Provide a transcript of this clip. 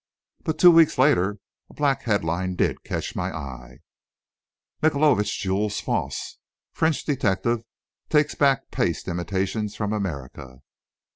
But two weeks later, a black headline did catch my eye: MICHAELOVITCH JEWELS FALSE! FRENCH DETECTIVE TAKES BACK PASTE IMITATIONS FROM AMERICA.